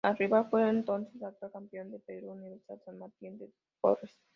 El rival fue el entonces actual campeón de Perú, Universidad San Martín de Porres.